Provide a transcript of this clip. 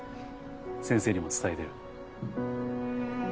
先生にも伝えてる。